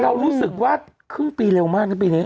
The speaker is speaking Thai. เรารู้สึกว่าครึ่งปีเร็วมากนะปีนี้